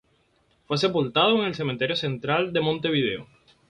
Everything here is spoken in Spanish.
Fue sepultado en el Cementerio Central de Montevideo.